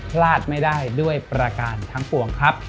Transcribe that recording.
พลาดไม่ได้ด้วยประการทั้งปวงครับ